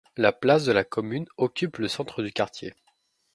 La place de la Commune occupe le centre du quartier.